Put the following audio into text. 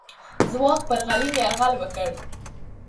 څوک پر غلیم یرغل وکړ؟